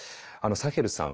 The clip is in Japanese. サヘルさん